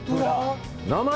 名前